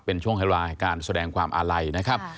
เป็นช่วงเวลาการแสดงความอาลัยนะครับ